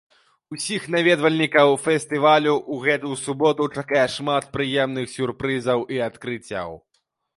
Усіх наведвальнікаў фестывалю ў гэтую суботу чакае шмат прыемных сюрпрызаў і адкрыццяў.